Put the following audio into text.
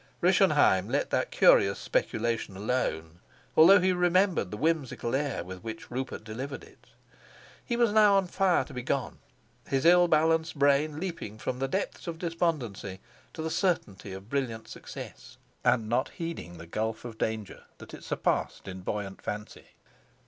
Rischenheim let that curious speculation alone, although he remembered the whimsical air with which Rupert delivered it. He was now on fire to be gone, his ill balanced brain leaping from the depths of despondency to the certainty of brilliant success, and not heeding the gulf of danger that it surpassed in buoyant fancy.